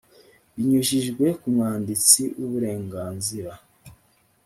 binyujijwe ku mwanditsi w uburenganzira